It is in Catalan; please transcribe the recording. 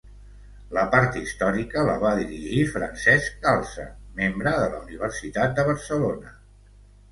La part històrica la va dirigir Francesc Calça, membre de la Universitat de Barcelona.